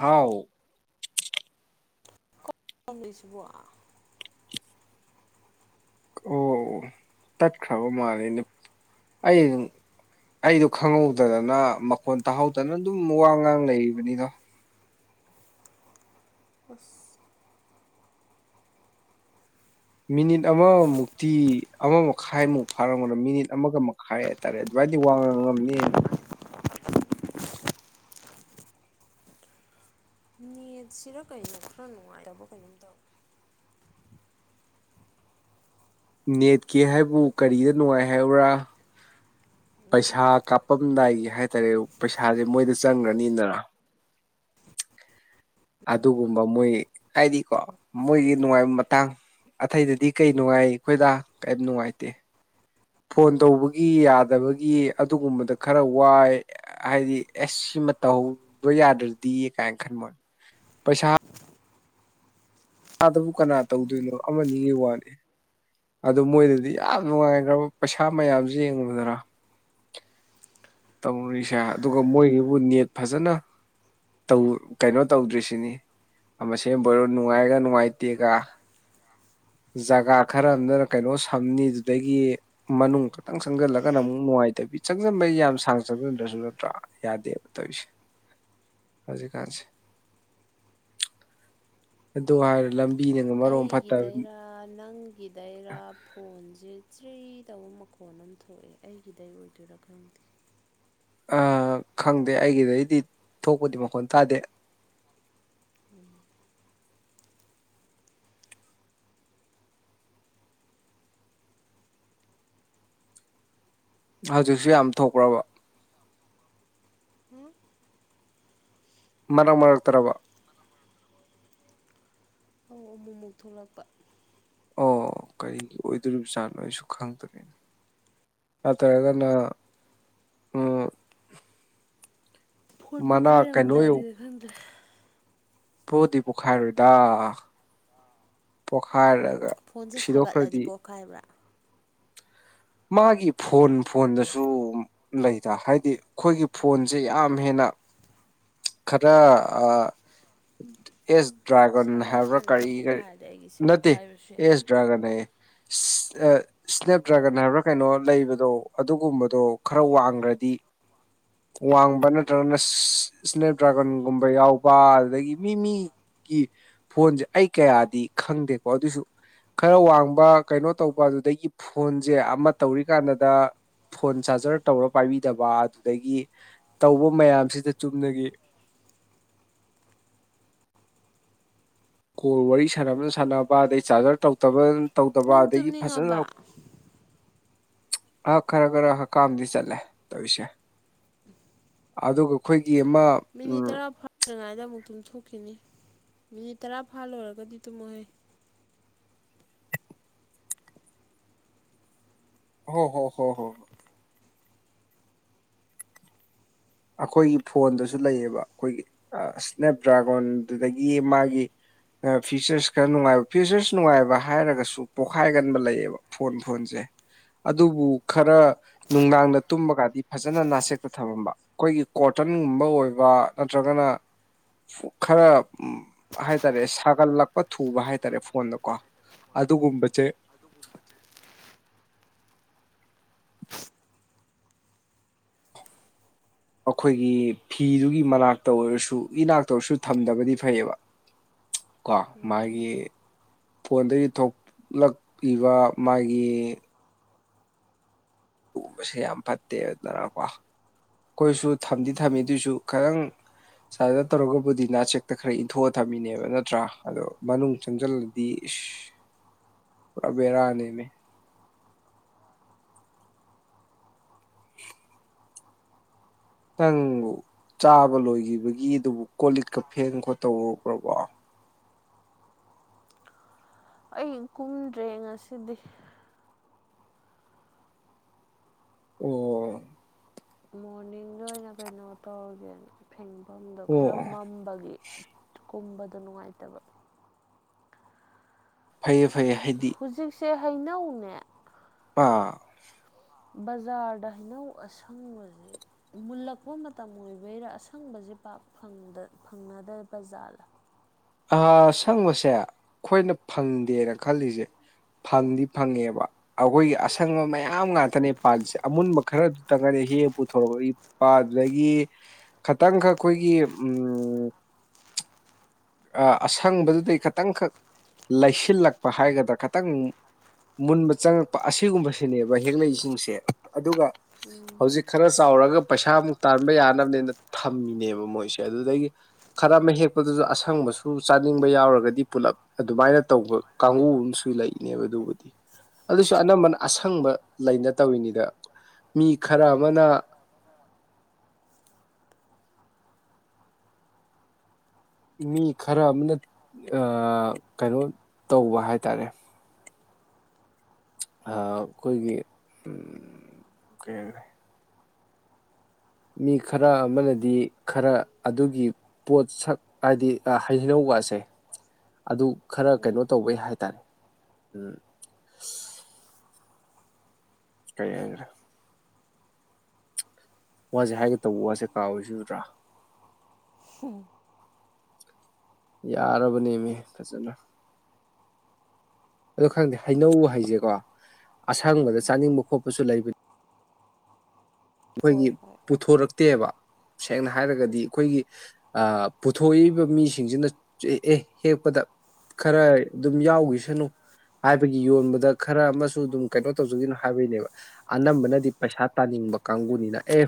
ꯍꯥꯎ ꯑꯥꯝ ꯂꯩꯁꯤꯕꯣ ꯑꯣ ꯇꯠꯈ꯭ꯔꯕ ꯃꯥꯂꯤꯅ ꯑꯩ ꯑꯩꯗꯨ ꯈꯪꯍꯧꯗꯗꯅ ꯃꯈꯣꯟ ꯇꯥꯍꯧꯗꯅ ꯑꯗꯨꯝ ꯋꯥ ꯉꯥꯡ ꯂꯩꯔꯤꯕꯅꯤꯗꯣ ꯑꯥꯁ ꯃꯤꯅꯤꯠ ꯑꯃꯃꯨꯛꯇꯤ ꯑꯃ ꯃꯈꯥꯏꯃꯨꯛ ꯐꯥꯔꯝꯒꯗ ꯃꯤꯅꯤꯠ ꯑꯃꯒ ꯃꯈꯥꯏ ꯍꯥꯏꯇꯥꯔꯦ ꯑꯗꯨꯃꯥꯏ ꯍꯥꯏꯗꯤ ꯋꯥꯡꯅ ꯉꯝꯅꯤꯅ ꯃꯤꯠꯁꯤꯗ ꯀꯩꯅꯣ ꯈꯔ ꯅꯨꯡꯉꯥꯏꯇꯕ ꯀꯩꯅꯣꯝ ꯇꯧ ꯅꯦꯠꯀꯦ ꯍꯥꯏꯕꯨ ꯀꯔꯤꯗ ꯅꯨꯡꯉꯥꯏ ꯍꯥꯏꯕ꯭ꯔꯥ ꯄꯩꯁꯥ ꯀꯥꯞꯄꯝꯗꯥꯏꯒꯤ ꯍꯥꯏ ꯇꯔꯦ ꯄꯩꯁꯥꯁꯦ ꯃꯣꯏꯗ ꯆꯪꯈ꯭ꯔꯅꯤꯗꯅ [inaudible] ꯑꯗꯨꯒꯨꯝꯕ ꯃꯣꯏ ꯍꯥꯏꯗꯤꯀꯣ ꯃꯣꯏꯒꯤ ꯅꯨꯡꯉꯥꯏꯕ ꯃꯇꯥꯡ ꯑꯊꯇꯩꯗꯗꯤ ꯀꯩ ꯅꯨꯡꯉꯥꯏ ꯑꯩꯈꯣꯏꯗ ꯀꯔꯤꯝ ꯅꯨꯡꯉꯥꯏꯇꯦ ꯐꯣꯟ ꯇꯧꯕꯒꯤ ꯌꯥꯗꯕꯒꯤ ꯑꯗꯨꯒꯨꯝꯕꯗ ꯈꯔ ꯋꯥꯏ ꯍꯥꯏꯗꯤ ꯑꯦꯁ ꯇꯧꯧꯕ ꯌꯥꯗ꯭ꯔꯗꯤ ꯀꯥꯏꯅ ꯈꯟꯕꯣꯏ ꯄꯩꯁꯥ ꯀꯥꯗꯕꯨ ꯀꯅꯥ ꯇꯧꯗꯣꯏꯅꯣ ꯑꯃꯅꯤꯒꯤ ꯋꯥꯅꯤ ꯑꯗꯨ ꯃꯣꯏꯗꯗꯤ ꯌꯥꯝ ꯅꯨꯡꯉꯥꯏꯈ꯭ꯔꯕ ꯄꯩꯁꯥ ꯃꯌꯥꯝꯁꯨ ꯌꯦꯡꯂꯡꯉꯨꯕꯗꯔ ꯇꯧꯔꯨꯔꯤꯁꯦ ꯑꯗꯨꯒ ꯃꯣꯏꯁꯤꯕꯨ ꯅꯦꯠ ꯐꯖꯅ ꯀꯩꯅꯣ ꯇꯧꯗ꯭ꯔꯤꯁꯤꯅꯤ ꯃꯁꯤ ꯕꯣꯔꯣ ꯅꯨꯡꯉꯥꯏꯔꯒ ꯅꯨꯡꯉꯥꯏꯇꯦꯒ ꯖꯒꯥ ꯈꯔꯅ ꯀꯩꯅꯣ ꯁꯝꯅꯤ ꯑꯗꯨꯗꯒꯤ ꯃꯅꯨꯡ ꯈꯛꯇꯪ ꯆꯪꯁꯤꯜꯂꯒꯅ ꯑꯃꯨꯛ ꯅꯨꯡꯉꯥꯏ ꯀꯥꯏ ꯇꯧ ꯆꯪꯖꯟꯕꯩ ꯌꯥꯝ ꯁꯥꯡꯅ ꯆꯪꯁꯤꯟꯗ꯭ꯔꯁꯨ ꯅꯠꯇ꯭ꯔꯣ ꯌꯥꯗꯦꯕ ꯇꯧꯔꯤꯁꯦ ꯑꯣꯝ ꯔꯖꯤ ꯀꯥꯖ [inaudible] ꯑꯗꯨ ꯍꯥꯏꯔ ꯂꯝ ꯑꯩꯒꯤꯗꯔꯥ ꯅꯪ ꯑꯩ ꯒꯤꯗꯩꯔ ꯐꯣꯟꯁꯦ ꯆ꯭ꯔꯤ ꯇꯧꯕ ꯃꯈꯣꯟ ꯑꯃ ꯊꯣꯛꯑꯦ ꯑꯩꯒꯤꯗꯩ ꯑꯣꯏꯗꯣꯏꯔꯥ ꯈꯪꯗꯦ [inaudible] ꯑ ꯈꯪꯗꯦ ꯑꯩꯒꯤꯗꯩꯗꯤ ꯊꯣꯛꯄꯗꯤ ꯃꯈꯣꯟ ꯇꯥꯗꯦ ꯎꯝ ꯍꯧꯖꯤꯛꯁꯨ ꯌꯥꯝ ꯊꯣꯛꯈ꯭ꯔꯕ ꯃꯔꯛ ꯃꯔꯛꯇꯕ ꯑꯧ ꯑꯃꯨꯛ ꯑꯃꯨꯛ ꯊꯣꯛꯂꯛꯄ ꯑꯣ ꯀꯔꯤ ꯑꯣꯏꯗꯣꯔꯤꯕꯖꯥꯠꯅꯣ ꯑꯩꯁꯨ ꯈꯪꯗꯔꯤꯅꯦ ꯑ ꯇꯔꯒꯅ ꯎ ꯐꯣꯟ ꯀꯩꯅꯣ ꯄꯣꯛꯈꯥꯏꯔꯝꯗꯥꯏꯒꯤꯗ ꯈꯪꯗ꯭ꯔꯦ ꯄꯣꯗꯤ ꯄꯣꯈꯥꯏꯔꯣꯏꯗ ꯄꯈꯥꯏꯔꯒ ꯐꯣꯟꯁꯦ ꯁꯥꯒꯠꯂꯗꯤ ꯄꯣꯛꯈꯥꯏꯕ꯭ꯔꯥ ꯃꯥꯒꯤ ꯐꯣꯟ ꯐꯣꯟꯗꯁꯨ ꯂꯩꯗ ꯍꯥꯏꯗꯤ ꯑꯩꯈꯣꯏꯒꯤ ꯐꯣꯟꯁꯦ ꯌꯥꯝ ꯍꯦꯟꯅ [inaudible] ꯈꯔ ꯑ ꯑꯦ ꯗ꯭ꯔꯥꯒꯟ ꯍꯥꯏꯕ꯭ꯔꯥ ꯁꯥꯒꯠꯂꯀꯥꯟꯗꯒ ꯀꯔꯤ ꯀꯔꯤ ꯄꯣꯛꯈꯥꯏꯔꯗꯤ ꯑꯩꯒꯤꯁꯦ ꯅꯠꯇꯦ ꯄꯣꯛꯈꯥꯏꯕꯁꯨ ꯌꯥꯏ ꯑꯦꯁ ꯗ꯭ꯔꯥꯒꯟ ꯍꯥꯏꯌꯦ ꯁ꯭ꯅꯦꯞ ꯗ꯭ꯔꯒꯟ ꯁꯥꯟꯅꯕ꯭ꯔꯥ ꯀꯩꯅꯣ ꯂꯩꯕꯗꯣ ꯑꯗꯨꯒꯨꯝꯕꯗꯣ ꯈꯔ ꯋꯥꯡꯈ꯭ꯔꯗꯤ ꯋꯥꯡꯕ ꯅꯠꯇ꯭ꯔꯒꯅ ꯏꯁꯅꯦꯦꯛ ꯗ꯭ꯔꯥꯒꯟꯒꯨꯝꯕ ꯌꯥꯎꯕ ꯑꯗꯨꯗꯒꯤ ꯃꯤ ꯃꯤ ꯒꯤ ꯐꯣꯟꯁꯦ ꯑꯩ ꯀꯌꯥꯗꯤ ꯈꯪꯗꯦꯀꯣ ꯑꯗꯨꯁꯨ ꯈꯔ ꯋꯥꯡꯕ ꯀꯩꯅꯣ ꯇꯧꯕ ꯑꯗꯨꯗꯒꯤ ꯐꯣꯟꯁꯦ ꯑꯃ ꯇꯧꯔꯤꯀꯥꯟꯗꯗ ꯐꯣꯟ ꯆꯥꯔꯖꯔ ꯇꯧꯔ ꯄꯥꯏꯕꯤꯗꯕ ꯑꯗꯨꯗꯒꯤ ꯇꯧꯕ ꯃꯌꯥꯝꯁꯤꯗ ꯆꯨꯝꯅꯒꯤ [inaudible] ꯀꯣꯜ ꯋꯥꯔꯤ ꯁꯥꯟꯅꯕꯅ ꯁꯥꯟꯅꯕ ꯑꯗꯩ ꯆꯥꯔꯖꯔ ꯇꯧꯗꯕ ꯇꯧꯗꯕ ꯅꯪ ꯑꯗꯒꯤ ꯐꯖꯅ ꯇꯨꯝꯅꯤꯡꯉꯕ ꯑ ꯈꯔ ꯈꯔ ꯀꯝꯗꯤ ꯆꯂꯦ ꯇꯁꯦ ꯑꯗꯨꯒ ꯑꯩꯈꯣꯏꯒꯤ ꯑꯃ ꯁꯤꯗ ꯑꯃꯨꯛ ꯇꯨꯝ ꯊꯣꯛꯈꯤꯅꯤ ꯃꯤꯅꯤꯠ ꯇꯔꯥ ꯐꯥ ꯂꯣꯏꯔꯒꯗꯤ ꯇꯨꯝꯃꯣꯍꯦ ꯍꯣ ꯍꯣ ꯍꯣ ꯍꯣ ꯍ ꯑꯩꯈꯣꯏꯒꯤ ꯐꯣꯟꯗꯨꯁꯨ ꯂꯩꯌꯦꯕ ꯑꯩꯈꯣꯏꯒꯤ ꯏꯁꯅꯦꯞ ꯗ꯭ꯔꯥꯒꯣꯟꯗꯨꯗꯒꯤ ꯃꯥꯒꯤ ꯐꯤꯆꯔꯁ ꯈꯔ ꯅꯨꯡꯉꯥꯏꯕ ꯐꯤꯆꯔꯁ ꯅꯨꯡꯉꯥꯏꯕ ꯍꯥꯏꯔꯒꯁꯨ ꯄꯣꯛꯈꯥꯏꯒꯟꯕ ꯂꯩꯌꯦꯕ ꯐꯣꯟ ꯐꯣꯟꯁꯦ ꯑꯗꯨꯕꯨ ꯈꯔ ꯅꯨꯡꯗꯥꯡꯗ ꯇꯨꯝꯃꯒꯗꯤ ꯐꯖꯅ ꯅꯥꯁꯦꯛꯇ ꯊꯝꯃꯝꯕ ꯑꯩꯈꯣꯏꯒꯤ ꯀꯣꯇꯟꯒꯨꯝꯕ ꯑꯣꯏꯕ ꯅꯠꯇ꯭ꯔꯒꯅ ꯈꯔ ꯍꯥꯏ ꯇꯔꯦ ꯁꯥꯒꯠꯂꯛꯄ ꯊꯨꯕ ꯍꯥꯏꯇꯥꯔꯦ ꯐꯣꯟꯗꯀꯣ ꯑꯗꯨꯒꯨꯝꯕꯁꯦ [inaudible] ꯑꯩꯈꯣꯏꯒꯤ ꯐꯤꯗꯨꯒꯤ ꯃꯅꯥꯛꯇ ꯑꯣꯏꯔꯁꯨ ꯏꯅꯥꯛꯇ ꯑꯣꯏꯔꯁꯨ ꯊꯝꯗꯕꯗꯤ ꯐꯩꯌꯦꯕ ꯀꯣ ꯎꯝ ꯃꯥꯒꯤ ꯐꯣꯟꯗꯒꯤ ꯊꯣꯛꯂꯛꯂꯤꯕ ꯃꯥꯒꯤ ꯇꯨꯝꯕꯁꯦ ꯌꯥꯝ ꯐꯠꯇꯦꯅꯀꯣ ꯑꯩꯈꯣꯏꯁꯨ ꯊꯝꯗꯤ ꯊꯝꯃꯤꯗꯨꯏꯁꯨ ꯈꯤꯇꯪ ꯁꯨꯃꯥꯏꯗ ꯇꯧꯔꯒꯕꯨꯗꯤ ꯅꯥꯆꯦꯛꯇ ꯈꯔ ꯏꯟꯊꯣꯛꯑ ꯊꯝꯃꯤꯅꯦꯕ ꯅꯠꯇ꯭ꯔꯥ ꯑꯗꯣ ꯃꯅꯨꯡ ꯆꯪꯁꯤꯜꯂꯗꯤ ꯏꯁ ꯄꯨꯔꯥ ꯕꯦꯔꯥꯅꯦꯃꯤ ꯇꯪꯉꯨ ꯆꯥꯕ ꯂꯣꯏꯈꯤꯕꯒꯤ ꯑꯩ ꯀꯨꯝꯗ꯭ꯔꯦ ꯉꯁꯤꯗꯤ ꯑꯣ ꯃꯣꯔꯅꯤꯡꯗ ꯑꯣꯏꯅ ꯀꯩꯅꯣ ꯇꯧꯔꯒꯦꯅ ꯐꯦꯡ ꯃꯐꯝꯗꯣ ꯑꯣ ꯈꯔ ꯃꯝꯕꯒꯤ ꯀꯨꯝꯕꯗꯣ ꯅꯨꯡꯉꯥꯏꯇꯕ ꯐꯩꯌꯦ ꯐꯩꯌꯦ ꯍꯥꯏꯗꯤ ꯁꯦ ꯍꯩꯅꯧꯅꯦ ꯑꯥ ꯕꯖꯥꯔꯗ ꯍꯩꯅꯧ ꯑꯁꯪꯕꯁꯦ ꯃꯨꯜꯂꯛꯄ ꯃꯇꯝ ꯑꯣꯏꯕꯩꯔꯥ ꯑꯁꯪꯕꯁꯤ ꯖꯤꯔꯤꯄꯥꯛ ꯐꯪꯅꯗ ꯕꯖꯥꯔꯂꯥ ꯑ ꯁꯪꯕꯁꯦ ꯑꯩꯈꯣꯏꯅ ꯐꯪꯗꯦꯅ ꯈꯜꯂꯤꯁꯦ ꯐꯪꯗꯤ ꯐꯪꯉꯦꯕ ꯑꯩꯈꯣꯏꯒꯤ ꯑꯁꯪꯕ ꯃꯌꯥꯝ ꯉꯥꯛꯇꯅꯦ ꯄꯥꯜꯂꯤꯁꯦ ꯑꯃꯨꯟꯕ ꯈꯔꯗꯨ ꯇꯪꯉꯗꯤ ꯍꯦꯛ ꯄꯨꯊꯣꯔꯛꯄ ꯏꯛꯄ ꯑꯗꯨꯗꯒꯤ ꯈꯇꯪ ꯈꯛ ꯑꯩꯈꯣꯏꯒꯤ ꯎ [inaudible] ꯑꯁꯪꯕꯗꯨꯗꯩ ꯈꯤꯇꯪꯈꯛ ꯂꯩꯁꯤꯜꯂꯛꯄ ꯍꯥꯏꯒꯗ꯭ꯔꯥ ꯈꯤꯇꯪ ꯃꯨꯟꯕ ꯆꯪꯉꯛꯄ ꯑꯁꯤꯒꯨꯝꯕꯁꯤꯅꯦꯕ ꯍꯦꯛꯂꯩꯁꯤꯡꯁꯦ ꯑꯗꯨꯒ ꯎꯝ ꯍꯧꯖꯤꯛ ꯈꯔ ꯆꯥꯎꯔꯒ ꯄꯩꯁꯥꯃꯨꯛ ꯇꯥꯟꯕ ꯌꯥꯅꯕꯅꯦꯅ ꯊꯝꯃꯤꯅꯦꯕ ꯃꯣꯏꯁꯦ ꯑꯗꯨꯗꯒꯤ ꯈꯔ ꯑꯃ ꯍꯦꯛꯄꯗꯨꯗꯁꯨ ꯑꯁ ꯑꯁꯪꯕꯁꯨ ꯆꯥꯅꯤꯡꯕ ꯌꯥꯎꯔꯒꯗꯤ ꯄꯨꯂꯞ ꯑꯗꯨꯃꯥꯏꯅ ꯇꯧꯕ ꯀꯥꯡꯕꯨ ꯑꯃꯁꯨ ꯂꯩꯅꯦꯕ ꯑꯗꯨꯕꯨꯗꯤ ꯑꯗꯨꯁꯨ ꯑꯅꯝꯕꯅ ꯑꯁꯪꯕ ꯂꯩꯅ ꯇꯧꯔꯤꯅꯤꯗ ꯃꯤ ꯈꯔ ꯑꯃꯅ [inaudible] ꯃꯤ ꯈꯔ ꯑꯃꯅ ꯀꯩꯅꯣ ꯇꯧꯕ ꯍꯥꯏꯇꯥꯔꯦ ꯑꯩꯈꯣꯏꯒꯤ ꯀꯩ ꯍꯥꯏꯔꯦ ꯃꯤ ꯈꯔ ꯑꯃꯅꯗꯤ ꯈꯔ ꯑꯗꯨꯒꯤ ꯄꯣꯠꯁꯛ ꯍꯥꯏꯗꯤ ꯍꯩꯅꯧ ꯀꯁꯦ ꯑꯗꯨ ꯈꯔ ꯀꯩꯅꯣ ꯇꯧꯕꯩ ꯍꯥꯏꯇꯥꯔꯦ ꯎꯝ ꯀꯩ ꯍꯥꯏꯖꯔꯦ ꯋꯥꯁꯦ ꯍꯥꯏꯒꯦ ꯇꯧꯕ ꯋꯥꯁꯦ ꯀꯥꯎꯏꯁꯤ ꯎꯗ꯭ꯔꯥ ꯎꯝ ꯌꯥꯔꯕꯅꯦꯃꯤ ꯐꯖꯅ ꯑꯗꯣ ꯈꯪꯗꯦ ꯍꯩꯅꯧ ꯍꯩꯁꯦꯀꯣ ꯑꯁꯪꯕꯗ ꯆꯥꯅꯤꯡꯕ ꯈꯣꯠꯄꯁꯨ ꯂꯩꯕꯅꯤ ꯑꯩꯈꯣꯏꯒꯤ ꯍꯣꯏ ꯍꯣꯏ ꯄꯨꯊꯣꯔꯛꯇꯦꯕ ꯁꯦꯡꯅ ꯍꯥꯏꯔꯒꯗꯤ ꯑꯩꯈꯣꯏꯒꯤ ꯄꯨꯊꯣꯛꯏꯕ ꯃꯤꯁꯤꯡꯁꯤꯅ ꯑꯦ ꯍꯦꯛ ꯈꯔ ꯑꯗꯨꯝ ꯌꯥꯎꯒꯤꯁꯅꯨ ꯍꯥꯏꯕꯒꯤ ꯌꯣꯟꯕꯗ ꯈꯔ ꯑꯃꯁꯨ ꯑꯗꯨꯝ ꯀꯩꯅꯣ ꯇꯧꯖꯒꯅꯣ ꯍꯥꯏꯕꯒꯤꯅꯦꯕ ꯑꯅꯝꯕꯅꯗꯤ ꯄꯩꯁꯥ ꯇꯥꯅꯤꯡꯕ ꯀꯥꯡꯕꯨꯅꯤꯅ ꯑꯦ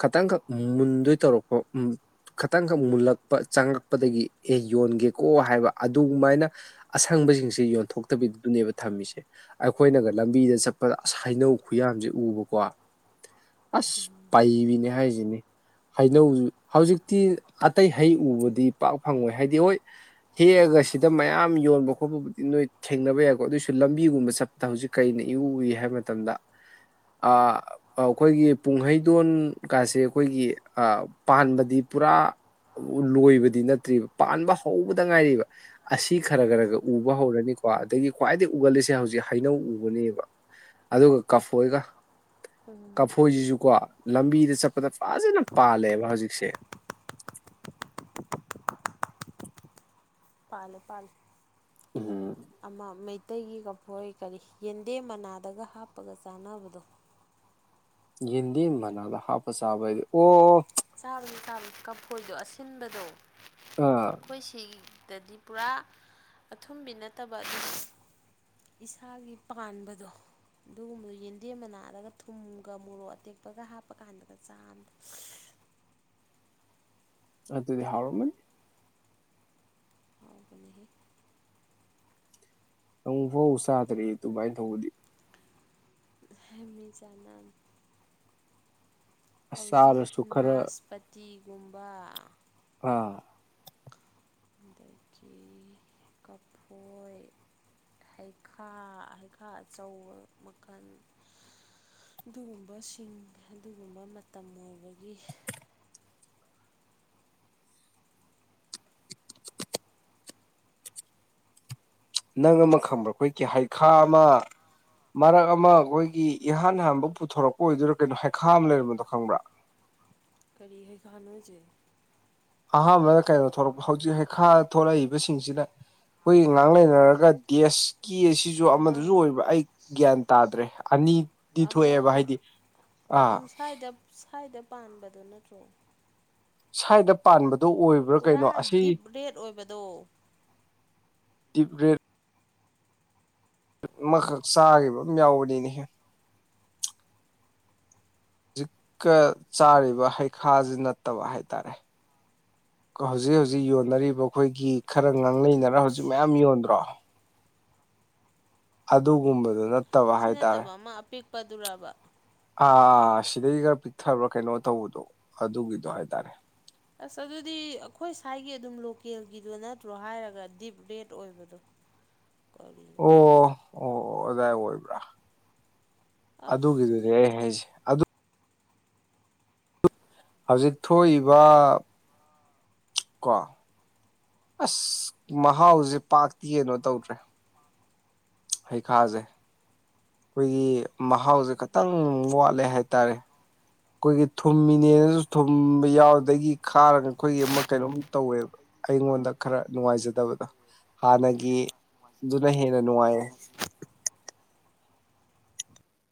ꯈꯈꯤꯇꯪꯈꯛ ꯃꯨꯟꯗꯣꯏ ꯇꯧꯔꯛꯄ ꯎ ꯈꯤꯇꯪꯈꯛ ꯃꯨꯜꯂꯛꯄ ꯆꯪꯉꯛꯄꯗꯒꯤ ꯑꯦ ꯌꯣꯟꯒꯦꯀꯣ ꯍꯥꯏꯕ ꯑꯗꯨꯃꯥꯏꯅ ꯑꯁꯪꯕ ꯁꯤꯡꯁ ꯌꯣꯟꯊꯣꯛꯇꯕꯤꯗꯨꯅꯦꯕ ꯊꯝꯃꯤꯁꯦ ꯑꯩꯈꯣꯏꯅꯒ ꯂꯝꯕꯤꯗ ꯆꯠꯄꯩꯅꯧ ꯈꯨꯌꯥꯁ ꯎꯕꯀꯋꯥ ꯑꯁ ꯄꯥꯏꯕꯤꯅꯦ ꯍꯥꯏꯁꯤꯅꯦ ꯍꯩꯅꯧ ꯍꯧꯖꯤꯛꯇꯤ ꯑꯇꯩ ꯍꯩ ꯎꯕꯗꯤ ꯄꯥꯛ ꯐꯪꯉꯣꯏ ꯍꯥꯏꯗꯤ ꯍꯣꯏ ꯍꯦꯛꯑꯒ ꯁꯤꯗ ꯃꯌꯥꯝ ꯌꯣꯟꯕ ꯈꯣꯠꯄꯕꯨꯗꯤ ꯅꯣꯏ ꯊꯦꯡꯅꯕ ꯌꯥꯏꯀꯣ ꯑꯗꯨꯑꯣꯏꯁꯨ ꯂꯝꯕꯤꯒꯨꯝꯕ ꯆꯠꯄꯗ ꯍꯧꯖꯤꯛ ꯀꯔꯤꯅꯤ ꯏ ꯍꯥꯏꯕ ꯃꯇꯝꯗ ꯑ ꯑꯩꯈꯣꯏꯒꯤ ꯄꯨꯡꯍꯩꯗꯣꯟ ꯀꯥꯁꯦ ꯑꯩꯈꯣꯏꯒꯤ ꯄꯥꯟꯕꯗꯤ ꯄꯨꯔꯥ ꯂꯣꯏꯕꯗꯤ ꯅꯠꯇ꯭ꯔꯤꯕ ꯄꯥꯟꯕ ꯍꯧꯕꯗ ꯉꯥꯏꯔꯤꯕ ꯑꯁꯤ ꯈꯔ ꯈꯔ ꯈ ꯎꯕ ꯍꯧꯔꯅꯤꯣ ꯀ ꯑꯗꯒꯤ ꯈ꯭ꯋꯥꯏꯗꯒꯤ ꯎꯒꯜꯂꯤꯁꯦ ꯍꯧꯖꯤꯛ ꯍꯩꯅꯧ ꯎꯕꯅꯦꯕ ꯑꯗꯨꯒ ꯀꯐꯣꯏꯒ ꯀꯐꯣꯏꯁꯤꯁꯨꯀꯣ ꯂꯝꯕꯤꯗ ꯆꯠꯄꯗ ꯐꯖꯅ ꯄꯥꯜꯂꯦꯕ ꯍꯧꯖꯤꯛꯁꯦ [inaudible] ꯄꯥꯜ ꯄꯥꯜ ꯎꯝ ꯑ ꯃ ꯑꯇꯩꯒꯤꯒꯐꯣꯏ ꯀꯔꯤ ꯌꯦꯟꯗꯦꯝ ꯃꯅꯥꯗꯒ ꯍꯥꯞꯄꯒ ꯆꯥꯅꯕꯗꯣ ꯍꯗꯤ ꯃꯅꯥꯗ ꯍꯥꯄ ꯁꯥꯕꯗꯤ ꯑꯣ ꯆꯥꯕꯗ ꯆꯥꯕꯒꯤ ꯀꯥꯡꯝꯐꯣꯏꯗꯣ ꯑꯁꯤꯟꯕꯗꯣ ꯑꯥ ꯑꯩꯈꯣꯏ ꯁꯤꯒꯤ ꯗꯗꯤ ꯄꯨꯔꯥ ꯑꯊꯨꯝꯕꯤ ꯅꯠꯇꯕ ꯑꯗꯨꯝ ꯏꯁꯥꯒꯤ ꯄꯥꯟꯕꯗꯣ ꯑꯗꯨꯒꯨꯝꯕꯗꯨ ꯌꯦꯟꯗꯦꯝ ꯑꯃ ꯅꯥꯑꯔꯒ ꯊꯨꯝꯒ ꯃꯣꯔꯣꯛ ꯑꯇꯦꯛꯄꯒ ꯍꯥꯞꯄ ꯀꯥꯟꯗꯒ ꯆꯥꯗ ꯑ ꯑꯗꯨꯗꯤ ꯍꯥꯥꯎ ꯃꯅꯤ ꯑꯥꯎꯕꯅꯤ ꯅꯪ ꯐꯥꯎ ꯆꯥꯗ꯭ꯔꯦ ꯑꯗꯨꯃꯥꯏꯅ ꯇꯧꯕꯗꯤ ꯍꯃꯤꯃꯦ ꯆꯝ ꯑꯁ ꯍꯧꯖꯤꯛ ꯆꯥꯔꯁꯨ ꯈꯔ ꯅꯥꯁꯄꯇꯤꯒꯨꯝꯕ ꯑꯥ ꯑꯗꯒꯤ ꯀꯐꯣꯏ ꯍꯩꯈꯥ ꯍꯩꯈꯥ ꯑꯆꯧꯕ ꯃꯈꯜ ꯑꯗꯨꯒꯨꯝꯕꯁꯤꯡ ꯑꯗꯨꯒꯨꯝꯕ ꯃꯇꯝ ꯑꯣꯏꯕꯒꯤ ꯅꯪ ꯑꯃ ꯈꯪꯕ꯭ꯔꯥ ꯑꯩꯈꯣꯏ ꯀꯤꯍꯩꯈꯥ ꯑꯃ ꯃꯔꯛ ꯑꯃ ꯑꯩꯈꯣꯏꯒꯤ ꯏꯍꯥꯟ ꯍꯥꯟꯕ ꯄꯨꯊꯣꯔꯛꯄ ꯑꯣꯏꯗꯨꯣꯏꯔꯥ ꯀꯩꯅꯣ ꯍꯩꯈꯥ ꯃ ꯂꯩꯔꯝꯕꯗꯣ ꯈꯪꯕ꯭ꯔꯥ ꯀꯔꯤ ꯍꯩꯈꯥꯥ ꯅꯣ ꯍꯥꯏꯁꯦ ꯑꯍꯥꯟꯕꯗ ꯀꯩꯅꯣ ꯊꯣꯛꯂꯛꯄ ꯍꯧꯖꯤꯛ ꯍꯩꯈꯥ ꯊꯣꯛꯂꯛꯏꯕꯁꯤꯡꯁꯤꯗ ꯈꯣꯏꯒꯤ ꯉꯥꯡ ꯂꯩꯅꯔꯒ ꯇꯦꯁ ꯀꯦ ꯑꯁꯤꯁꯨ ꯑꯃ ꯑꯃꯗꯁꯨ ꯑꯣꯏꯕ ꯑꯩ ꯒ꯭ꯌꯥꯟ ꯇꯥꯗ꯭ꯔꯦ ꯑꯅꯤ ꯑꯃ ꯑꯥ ꯑꯗꯨꯝ ꯁꯥꯏꯗ ꯁꯥꯏꯗ ꯄꯥꯟꯕꯗꯨ ꯅꯠꯇ꯭ꯔꯣ ꯁꯥꯏꯗ ꯄꯥꯟꯕ ꯄꯨꯔꯥ ꯗꯤꯞ ꯔꯦꯠ ꯑꯣꯏꯕꯗꯣ ꯗꯤꯞ ꯔꯦꯠ ꯃꯈꯛ ꯆꯥꯈꯤꯕꯝ ꯌꯥꯎꯕꯅꯤꯅꯦꯍꯦ ꯍꯧꯖꯤꯛꯀ ꯆꯥꯔꯤꯕ ꯍꯩꯈꯥꯁꯤ ꯅꯠꯇꯕ ꯍꯥꯏꯇꯥꯔꯦ ꯍꯧꯖꯤꯛ ꯍꯧꯖꯤꯛ ꯌꯣꯟꯅꯔꯤꯕ ꯑꯩꯈꯣꯏꯒꯤ ꯈꯔ ꯉꯥꯡ ꯑꯗꯨꯗꯤ ꯂꯩꯅꯔ ꯈꯪꯗꯦ ꯍꯧꯖꯤꯛ ꯃꯌꯥꯝ ꯌꯣꯟꯗ꯭ꯔꯣ ꯑꯗꯨꯒꯨꯝꯕꯗꯨ ꯅꯠꯇꯕ ꯍꯥꯏꯇꯥꯔꯦ ꯄꯗꯨꯔꯕ ꯑꯥ ꯁꯤꯗꯒꯤ ꯈꯔ ꯄꯤꯛꯊꯕ꯭ꯔꯥ ꯀꯩꯅꯣ ꯇꯧꯕꯗꯣ ꯑꯗꯨꯒꯤꯗꯣ ꯍꯥꯏ ꯇꯔꯦ ꯑꯁ ꯑꯗꯨꯗꯤ ꯑꯩꯈꯣꯏ ꯁ꯭ꯋꯥꯏꯒꯤ ꯑꯗꯨꯝ ꯂꯣꯀꯦꯜꯒꯤꯗꯣ ꯅꯠꯇ꯭ꯔꯣ ꯍꯥꯏꯔꯒ ꯗꯤꯞ ꯔꯦꯠ ꯑꯣꯏꯕꯗꯣ [inaudible] ꯑꯣ ꯑꯣ ꯑꯗꯥꯏ ꯑꯣꯏꯕ꯭ꯔꯥ ꯑꯁ ꯑꯗꯨꯒꯤꯗꯨꯅꯤ ꯑꯩ ꯍꯥꯏꯁꯦ ꯑꯗꯨ ꯍꯧꯖꯤꯛ ꯊꯣꯛꯏꯕ ꯀꯣ ꯑꯁ ꯃꯍꯥꯎꯁꯦ ꯄꯥꯛꯇꯤ ꯀꯅꯣ ꯇꯧꯗ꯭ꯔꯦ ꯍꯩ ꯈꯥꯥꯁꯦ ꯈꯣꯏꯒꯤ ꯃꯍꯥꯎꯁꯦ ꯈꯇꯪ ꯋꯥꯠꯂꯦ ꯍꯥꯏꯇꯥꯔꯦ ꯈꯣꯏꯒꯤ ꯊꯨꯝꯃꯤꯅꯦꯅꯁꯨ ꯊꯨꯝꯕ ꯌꯥꯎꯗꯒꯤ ꯈꯥꯔꯒ ꯑꯩꯈꯣꯏꯒꯤ ꯑꯃ ꯀꯩꯅꯣꯝ ꯇꯧꯋꯦꯕ ꯑꯩꯉꯣꯟꯗ ꯈꯔ ꯅꯨꯡꯉꯥꯏꯖꯗꯕꯗꯣ ꯍꯥꯟꯅꯒꯤ ꯑꯗꯨꯅ ꯍꯦꯟꯅ ꯅꯨꯡꯉꯥꯏꯌꯦ